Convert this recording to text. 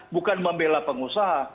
bukan membela pengusaha